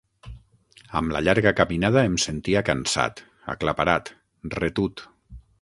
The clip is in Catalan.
Amb la llarga caminada em sentia cansat, aclaparat, retut.